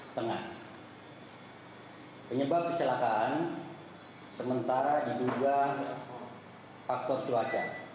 tengah penyebab kecelakaan sementara diduga faktor cuaca